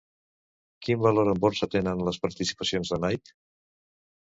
Quin valor en borsa tenen les participacions de Nike?